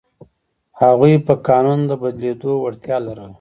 هغوی په قانون د بدلېدو وړتیا لرله.